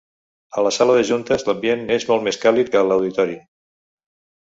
A la sala de juntes l'ambient és molt més càlid que a l'Auditori.